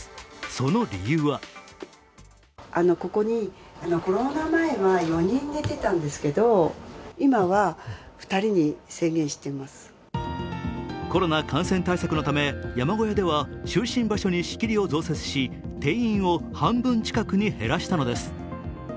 その理由はコロナ感染対策のため山小屋では就寝場所に仕切りを増設し定員を半分近くに減らしたのです。